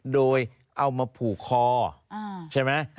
โดยเอามาผูกคอใช่ไหม